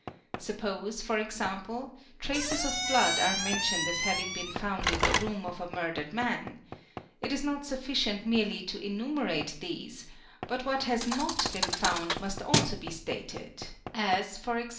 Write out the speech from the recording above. Suppose, ¢.g., traces of blood are mentioned as having been found in the room of a murdered man; it is not sufficient merely to enu merate these but what has not been found must also be stated as, e.g.